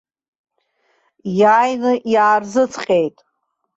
Иааины иаарзыҵҟьеит.